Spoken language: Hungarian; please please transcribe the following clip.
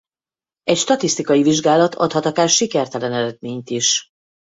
Egy statisztikai vizsgálat adhat akár sikertelen eredményt is.